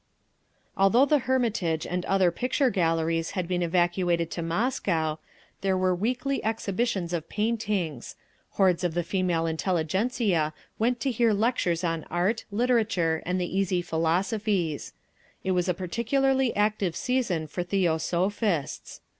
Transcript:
Although the Hermitage and other picture galleries had been evacuated to Moscow, there were weekly exhibitions of paintings. Hordes of the female intelligentzia went to hear lectures on Art, Literature and the Easy Philosophies. It was a particularly active season for Theosophists.